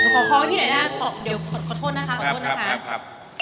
ก็ที่ไหนครับเขาโทรนนะคะ